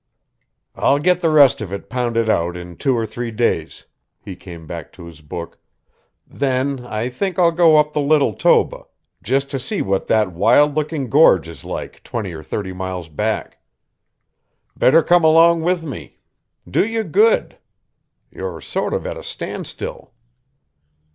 "I'll get the rest of it pounded out in two or three days," he came back to his book, "then I think I'll go up the Little Toba, just to see what that wild looking gorge is like twenty or thirty miles back. Better come along with me. Do you good. You're sort of at a standstill."